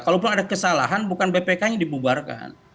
kalaupun ada kesalahan bukan bpkh yang dibubarkan